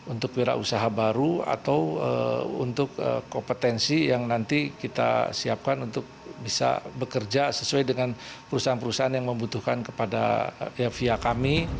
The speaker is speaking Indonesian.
untuk wira usaha baru atau untuk kompetensi yang nanti kita siapkan untuk bisa bekerja sesuai dengan perusahaan perusahaan yang membutuhkan kepada via kami